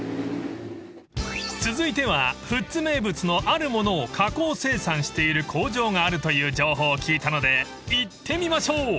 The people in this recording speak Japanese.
［続いては富津名物のあるものを加工生産している工場があるという情報を聞いたので行ってみましょう！］